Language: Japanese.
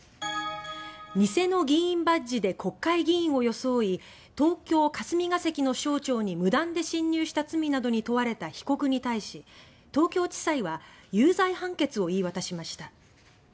偽の議員バッジで国会議員を装い東京・霞が関の省庁に無断で侵入した罪などに問われた被告に対し東京地裁は有罪判決を言い渡しました。